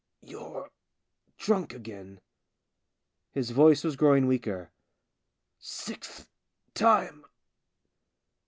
You're drunk again." His voice was growing weaker. " Sixth time